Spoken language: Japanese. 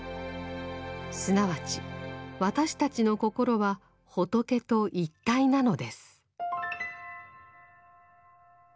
すなわち私たちの心は仏と一体なのです。